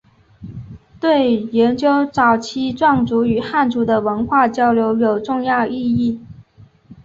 对研究早期壮族与汉族的文化交流有重要意义。